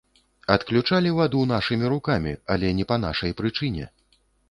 Адключалі ваду нашымі рукамі, але не па нашай прычыне!